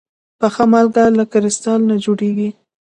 پخه مالګه له کريستال نه جوړېږي.